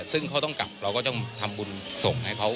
ซึ่งเขาต้องกลับเราก็ต้องทำบุญส่งให้เขา